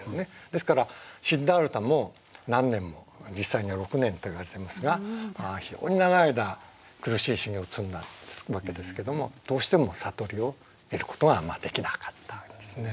ですからシッダールタも何年も実際には６年といわれていますが非常に長い間苦しい修行を積んだわけですけどもどうしても悟りを得ることはできなかったわけですね。